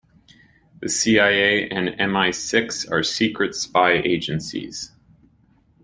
The CIA and MI-Six are secret spy agencies.